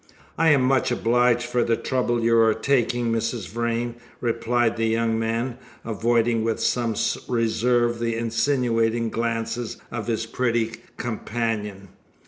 "I am much obliged for the trouble you are taking, Mrs. Vrain," replied the young man, avoiding with some reserve the insinuating glances of his pretty companion.